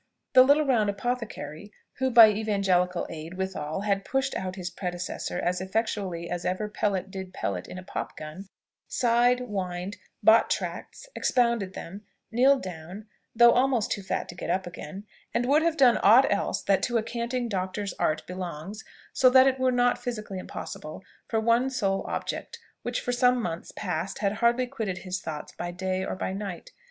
The little round apothecary, who by evangelical aid withal had pushed out his predecessor as effectually as ever pellet did pellet in a popgun, sighed, whined, bought tracts, expounded them, kneeled down, though almost too fat to get up again, and would have done aught else that to a canting doctor's art belongs so that it were not physically impossible, for one sole object, which for some months past had hardly quitted his thoughts by day or by night.